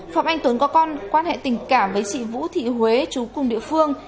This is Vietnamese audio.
phạm anh tuấn có con quan hệ tình cảm với chị vũ thị huế chú cùng địa phương